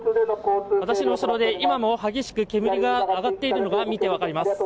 私の後ろで今も激しく煙が上がっているのが見て分かります